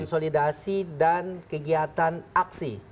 konsolidasi dan kegiatan aksi